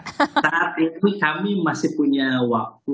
saat ini kami masih punya waktu